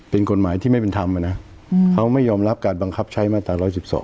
เป็นกฎหมายที่ไม่เป็นธรรมนะเขาไม่ยอมรับการบังคับใช้มาตรา๑๑๒